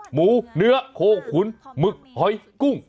หมูเนื้อโคขุนหมึกหอยกุ้ง